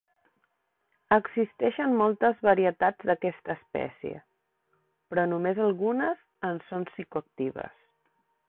Existeixen moltes varietats d'aquesta espècie, però només algunes en són psicoactives.